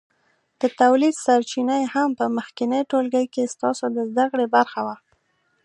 د تولید سرچینې هم په مخکېني ټولګي کې ستاسو د زده کړې برخه وه.